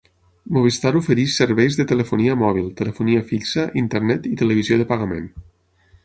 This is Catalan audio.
Movistar ofereix serveis de telefonia mòbil, telefonia fixa, Internet i televisió de pagament.